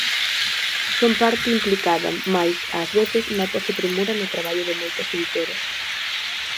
Son parte implicada mais, ás veces, nótase premura no traballo de moitas editoras.